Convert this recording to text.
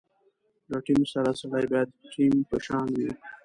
له ټیم سره سړی باید ټیم په شان وي.